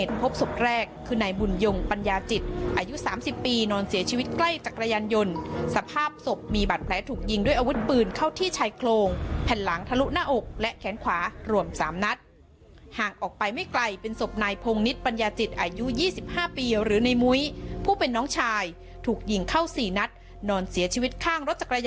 ทางโรงแผ่นหลังทะลุหน้าอกและแขนขวารวมสามนัดห่างออกไปไม่ไกลเป็นสบนายพงษ์นิตปัญญาติศอายุยี่สิบห้าปียังรื้อในมุ้ยผู้เป็นน้องชายถูกยิงเข้าสี่หนักนอนเสียชีวิตข้างรถจักรยานหย่น